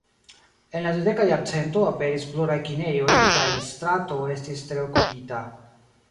En la dudeka jarcento aperis pluraj kinejoj, kaj la strato estis tre okupita.